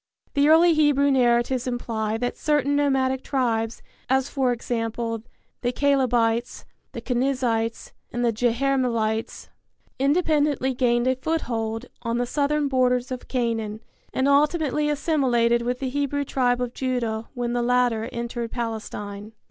The early Hebrew narratives imply that certain nomadic tribes, as, for example, the Calebites, the Kenizzites and the Jerahmeelites, independently gained a foothold on the southern borders of Canaan and ultimately assimilated with the Hebrew tribe of Judah when the latter entered Palestine.